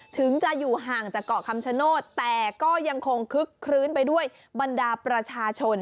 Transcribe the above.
ถึงจะอยู่ห่างจากเกาะคำชโนธแต่ก็ยังคงคึกคลื้นไปด้วยบรรดาประชาชน